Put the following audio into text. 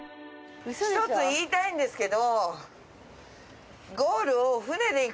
１つ言いたいんですけど。